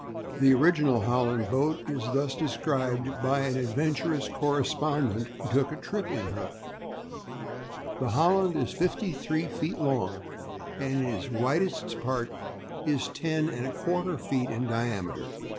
_] The original Holland boat is thus described by an adventurous correspondent who took a trip in her: "The Holland is fifty three feet long, and in its widest part it is 10 1/4 feet in diameter.